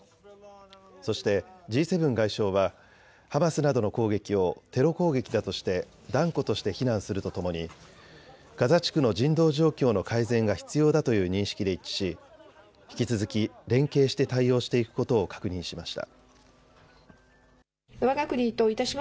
そしてＧ７外相はハマスなどの攻撃をテロ攻撃だとして断固として非難するとともにガザ地区の人道状況の改善が必要だという認識で一致し引き続き連携して対応していくことを確認しました。